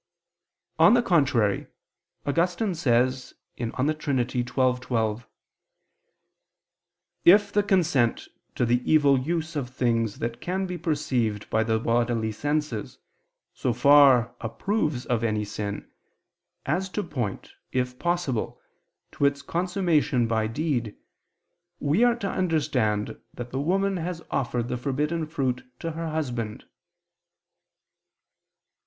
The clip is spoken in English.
On the contrary, Augustine says (De Trin. xii, 12): "If the consent to the evil use of things that can be perceived by the bodily senses, so far approves of any sin, as to point, if possible, to its consummation by deed, we are to understand that the woman has offered the forbidden fruit to her husband."